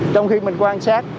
trong khi mình quan sát